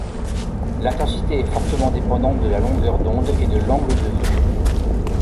L'intensité est fortement dépendante de la longueur d'onde et de l'angle de vue.